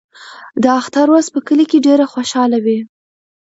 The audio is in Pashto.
د اختر ورځ په کلي کې ډېره خوشحاله وي.